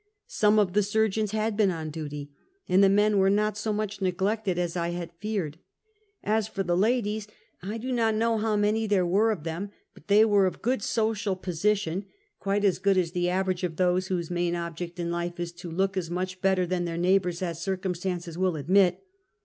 Some of the surgeons had been on duty, and the men were not so much neglected as I had feared. As for the ladies, I do not know how many there were of them, but they were of good social position — quite as good as the average of those whose main object in life is to look as much better than their neighbors as circum stances will admit.